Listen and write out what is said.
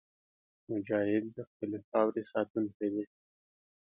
مجاهد د خپلې خاورې ساتونکی دی.